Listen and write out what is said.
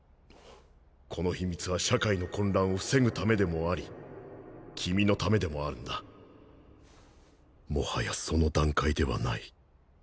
この秘密は社会の混乱を防ぐ為でもあり君の為でもあるんだ最早その段階ではない